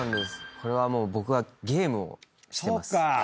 これはもう僕はゲームをしてます。